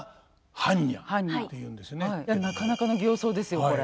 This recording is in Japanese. なかなかの形相ですよこれ。